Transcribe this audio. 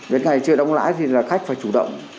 đến ngày chưa đóng lãi thì là khách phải chủ động